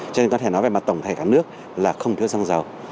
cho nên có thể nói về mặt tổng thể cả nước là không cho xăng dầu